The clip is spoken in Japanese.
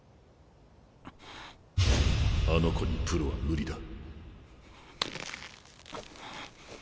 あの子にプロは無理だ。